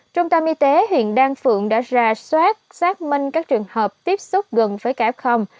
trung tâm y tế hiện đan phượng đã ra soát xác minh các trường hợp tiếp xúc gần với cả không